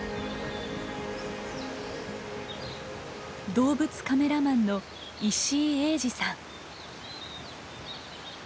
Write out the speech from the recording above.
動物カメラマンの石井英二さん。